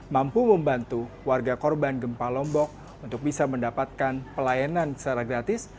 mampu membantu warga korban gempa lombok untuk bisa mendapatkan pelayanan secara gratis